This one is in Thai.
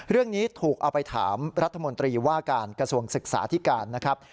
เรื่องนี้ถูกเอาไปถามรัฐมนตรีว่าการกระทรวงศึกษาที่การนะครับ